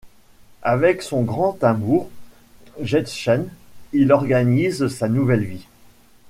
Avec son grand amour, Jettchen, il organise sa nouvelle vie.